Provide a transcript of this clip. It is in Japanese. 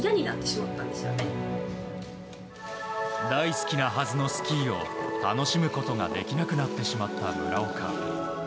大好きなはずのスキーを楽しむことができなくなってしまった村岡。